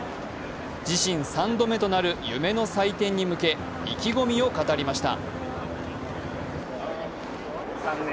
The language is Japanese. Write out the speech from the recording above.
自身３度目となる夢の祭典に向け、意気込みを語りました。